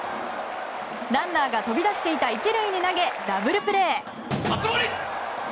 ランナーが飛び出していた１塁に投げダブルプレー。